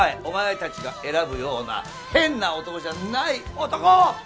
お前たちが選ぶような変な男じゃない男！